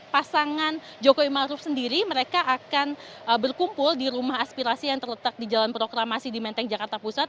pasangan jokowi maruf sendiri mereka akan berkumpul di rumah aspirasi yang terletak di jalan proklamasi di menteng jakarta pusat